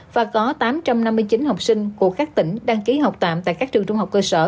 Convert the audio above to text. và có tám trăm năm mươi chín học sinh của các tỉnh đăng ký học tạm tại các trường trung học cơ sở